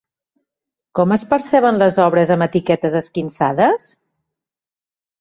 Com es perceben les obres amb etiquetes esquinçades?